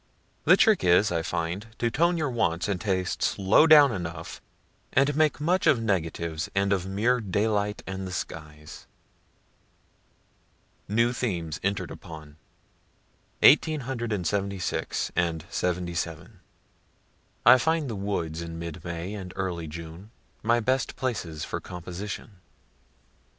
(The trick is, I find, to tone your wants and tastes low down enough, and make much of negatives, and of mere daylight and the skies.) NEW THEMES ENTERED UPON 1876, '77. I find the woods in mid May and early June my best places for composition.